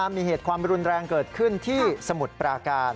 มีเหตุความรุนแรงเกิดขึ้นที่สมุทรปราการ